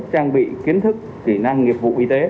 trang bị kiến thức kỹ năng nghiệp vụ y tế